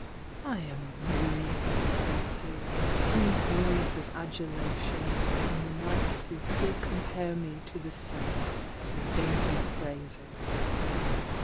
"I am weary of the dances, Honeyed words of adulation From the knights who still compare me To the sun, with dainty phrases.